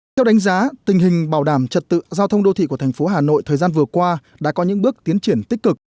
theo đánh giá tình hình bảo đảm trật tự giao thông đô thị của thành phố hà nội thời gian vừa qua đã có những bước tiến triển tích cực